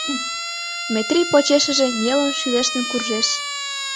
— Метрий почешыже нелын шӱлештын куржеш.